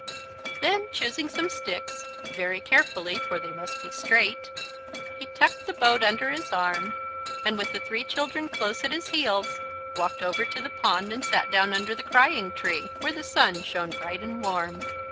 Then choosing some sticks very carefully, for they must be straight he tucked the boat under his arm and, with the three children close at his heels, walked over to the pond and sat down under the Crying Tree, where the sun shone bright and warm.